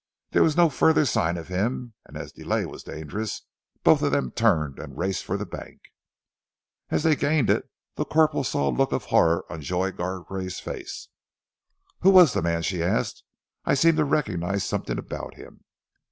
There was no further sign of him, and as delay was dangerous both of them turned and raced for the bank. As they gained it, the corporal saw a look of horror on Joy Gargrave's face. "Who was the man?" she asked. "I seemed to recognize something about him."